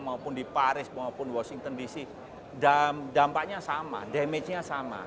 maupun di paris maupun washington dc dampaknya sama damage nya sama